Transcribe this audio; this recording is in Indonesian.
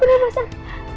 bangun mas al